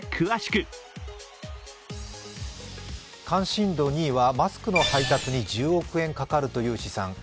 関心度２位はマスクの配達に１０億円かかるという試算。